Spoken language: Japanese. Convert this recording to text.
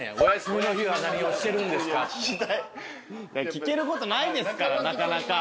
聞けることないですからなかなか。